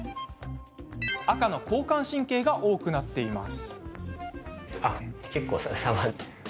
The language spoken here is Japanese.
赤の交感神経が多くなっています。